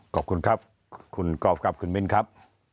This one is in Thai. ขอบคุณครับคุณกอล์ฟครับคุณมิ้นครับ